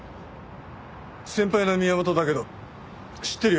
先輩の宮本だけど知ってるよね？